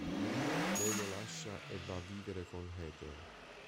Lei lo lascia e va a vivere con Ethel.